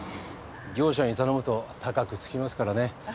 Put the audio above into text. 業者に頼むと高くつきますからね。